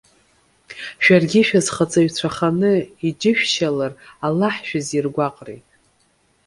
Шәаргьы шәазхаҵаҩцәаханы иџьышәшьалар, Аллаҳ шәызиргәаҟри?